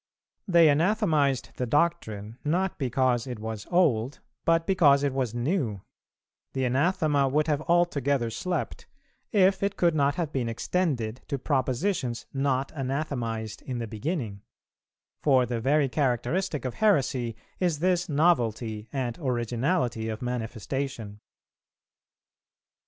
They anathematized the doctrine, not because it was old, but because it was new: the anathema would have altogether slept, if it could not have been extended to propositions not anathematized in the beginning; for the very characteristic of heresy is this novelty and originality of manifestation.